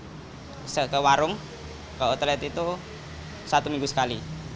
bisa ke warung ke outlet itu satu minggu sekali